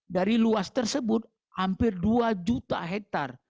dari luas tersebut hampir dua juta hektare